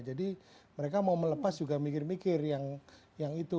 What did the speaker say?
jadi mereka mau melepas juga mikir mikir yang itu